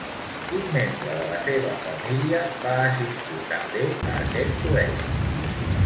Quin membre de la seva família va assistir també a aquest col·legi?